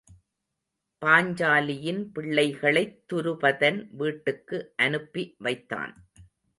பாஞ்சாலியின் பிள்ளைகளைத் துருபதன் வீட்டுக்கு அனுப்பி வைத்தான்.